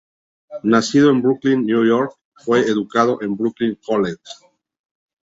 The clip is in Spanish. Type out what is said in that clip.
Nacido en Brooklyn, Nueva York, fue educado en Brooklyn College.